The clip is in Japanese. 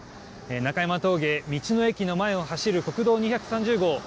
中山峠、道の駅の前を走る国道２３０号。